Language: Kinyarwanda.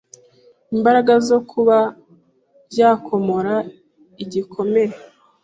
imbaraga zo kuba ryakomora igikomere